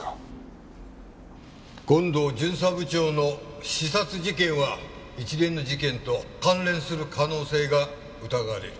権藤巡査部長の刺殺事件は一連の事件と関連する可能性が疑われる。